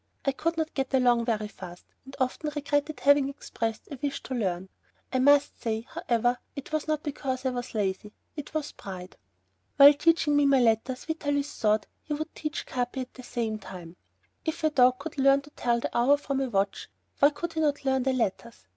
I could not get along very fast, and often I regretted having expressed a wish to learn. I must say, however, it was not because I was lazy, it was pride. While teaching me my letters Vitalis thought that he would teach Capi at the same time. If a dog could learn to tell the hour from a watch, why could he not learn the letters?